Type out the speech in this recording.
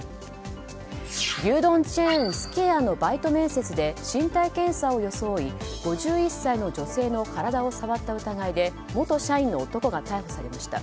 牛丼チェーンすき家のバイト面接で身体検査を装い５１歳の女性の体を触った疑いで元社員の男が逮捕されました。